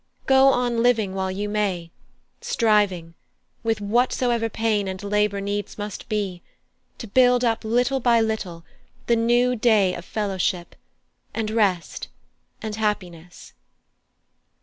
Go on living while you may, striving, with whatsoever pain and labour needs must be, to build up little by little the new day of fellowship, and rest, and happiness."